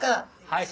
はい。